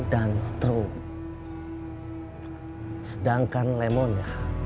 jangan tulis laras terkini